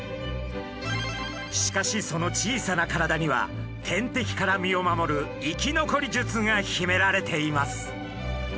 しかしその小さな体には天敵から身を守る生き残り術が秘められています。